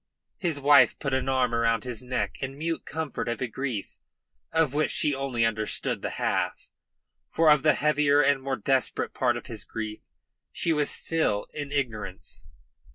His wife put an arm about his neck in mute comfort of a grief of which she only understood the half for of the heavier and more desperate part of his guilt she was still in ignorance.